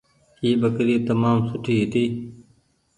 اي ٻڪري تمآم سوٺي هيتي۔